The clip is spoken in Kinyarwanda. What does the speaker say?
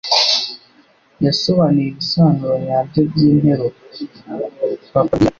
Yasobanuye ibisobanuro nyabyo byinteruro. (papabear)